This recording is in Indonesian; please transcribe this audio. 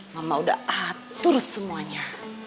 mama udah atur semuanya